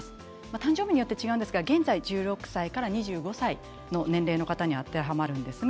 誕生日によって違うんですが現在１６歳から２５歳の年齢の方に当てはまります。